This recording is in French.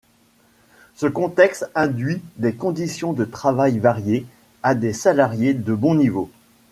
Ce contexte induit des conditions de travail variées et des salaires de bon niveau.